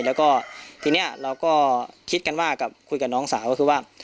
แล้วก็ทีนี้เราก็คิดกันว่ากับคุยกับน้องสาวก็คือว่า